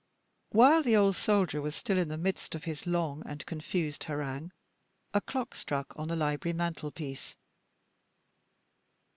While the old soldier was still in the midst of his long and confused harangue, a clock struck on the library mantel piece.